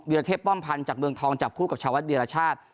รเทพป้อมพันธ์จากเมืองทองจับคู่กับชาววัดเวียรชาติ